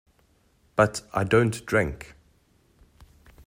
But I don't drink.